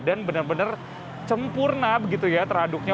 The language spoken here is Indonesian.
dan benar benar sempurna begitu ya teraduknya